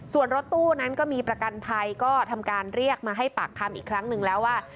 ส่วนรถตู้นั้นก็มีประกันภัยก็ทำการเรียกมาให้ปากคำอีกครั้งหนึ่งแล้วว่า